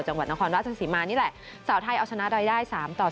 จังหวัดนครราชสีมานี่แหละสาวไทยเอาชนะรายได้๓ต่อ๑